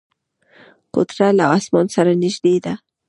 کوتره له اسمان سره نږدې ده.